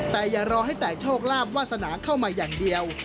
แต่อย่ารอให้แต่โชคลาภวาสนาเข้ามาอย่างเดียว